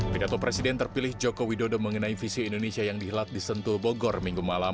pidato presiden terpilih joko widodo mengenai visi indonesia yang dihelat di sentul bogor minggu malam